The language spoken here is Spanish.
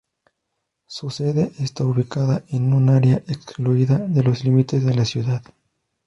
Su sede está ubicada en un área excluida de los límites de la ciudad.